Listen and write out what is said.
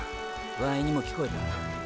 ワイにも聞こえた。